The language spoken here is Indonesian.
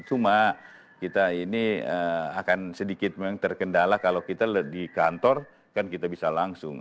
cuma kita ini akan sedikit memang terkendala kalau kita di kantor kan kita bisa langsung